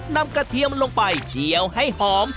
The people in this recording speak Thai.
นำกระเทียมลงไปเจียวให้หอม